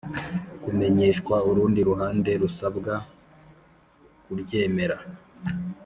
Kumenyeshwa urundi ruhande rusabwa kuryemera